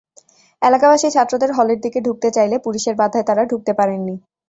এলাকাবাসী ছাত্রদের হলের দিকে ঢুকতে চাইলে পুলিশের বাধায় তাঁরা ঢুকতে পারেননি।